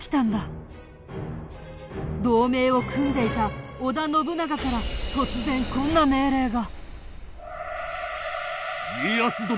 同盟を組んでいた織田信長から突然こんな命令が。